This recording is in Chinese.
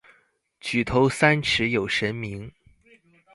举头三尺有神明。